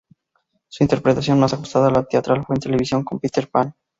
Su interpretación más ajustada a la teatral fue en televisión, con "Peter Pan".